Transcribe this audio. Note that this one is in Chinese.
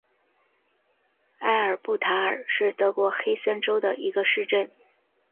埃尔布塔尔是德国黑森州的一个市镇。